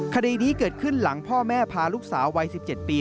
คดีนี้เกิดขึ้นหลังพ่อแม่พาลูกสาววัย๑๗ปี